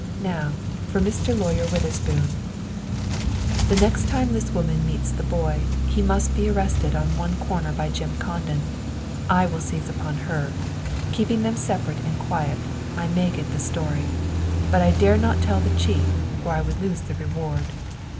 Now, for Mr. Lawyer Witherspoon!" "The next time that this woman meets the boy, he must be arrested on one corner by Jim Condon. I will seize upon her! Keeping them separate and quiet, I may get the story. But I dare not tell the chief, or I would lose the reward.